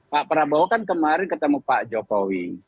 pak prabowo kan kemarin ketemu pak jokowi